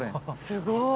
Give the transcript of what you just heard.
すごい。